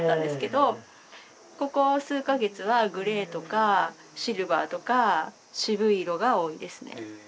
ここ数か月はグレーとかシルバーとか渋い色が多いですね。